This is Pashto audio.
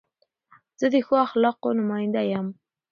زه د ښو اخلاقو نماینده یم.